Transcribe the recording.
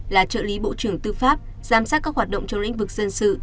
là trợ lý bộ trưởng tư pháp giám sát các hoạt động trong lĩnh vực dân sự